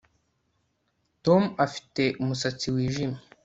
Tom afite umusatsi wijimye